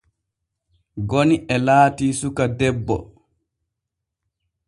Goni e laati suka debbo.